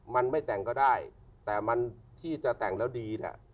มันไม่แต่งก็ได้แต่มันที่จะแต่งแล้วดีเนี่ย